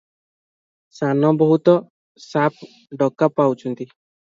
ସାନ ବୋହୂତ ସାଫ୍ ଡକା ପାଡୁଛନ୍ତି ।